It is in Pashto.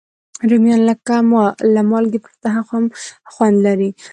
رومیان له مالګې پرته هم خوند لري